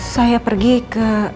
saya pergi ke